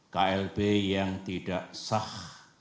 klb yang tidak sah